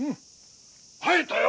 会えたよ